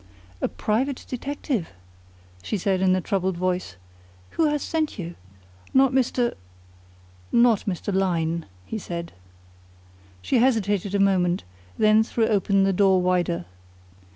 "A private detective?" she said in a troubled voice. "Who has sent you? Not Mr. " "Not Mr. Lyne," he said. She hesitated a moment, then threw open the door wider.